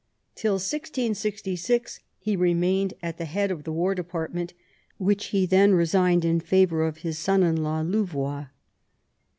Till 1666 he remained at the head of the war department, which he then re signed in favour of his son in law Louvois.